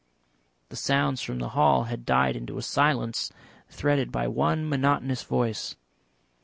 The sounds from the hall had died into a silence threaded by one monotonous voice.